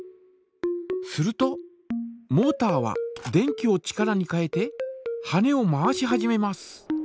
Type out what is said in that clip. するとモータは電気を力に変えて羽根を回し始めます。